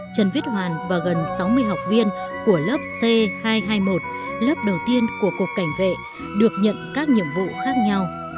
trần viết hoàn và gần sáu mươi học viên của lớp c hai trăm hai mươi một lớp đầu tiên của cục cảnh vệ được nhận các nhiệm vụ khác nhau